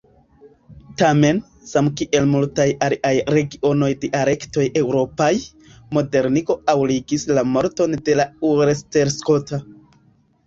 Tamen, samkiel multaj aliaj regionaj dialektoj eŭropaj, modernigo aŭguris la morton de la ulsterskota.